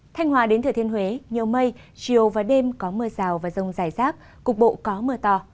thanh hòa đến thừa thiên huế nhiều mây chiều và đêm có mưa rào và rông rải rác cục bộ có mưa to